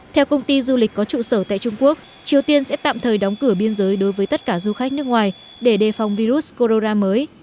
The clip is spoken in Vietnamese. theo công ty du lịch có trụ sở tại trung quốc triều tiên sẽ tạm thời đóng cửa biên giới đối với tất cả du khách nước ngoài để đề phòng virus corona mới